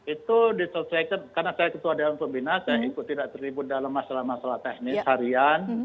itu diselesaikan karena saya ketua dewan pembina saya ikut tidak terlibat dalam masalah masalah teknis harian